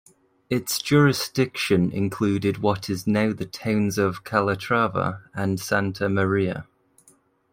Its jurisdiction included what is now the towns of Calatrava and Santa Maria.